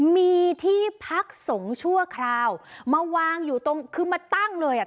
มีที่พักสงฆ์ชั่วคราวมาวางอยู่ตรงคือมาตั้งเลยอ่ะ